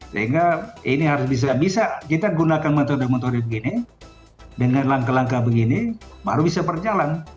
sehingga ini harus bisa kita gunakan metode metode begini dengan langkah langkah begini baru bisa berjalan